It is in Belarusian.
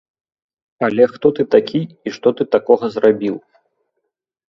Але хто ты такі і што ты такога зрабіў?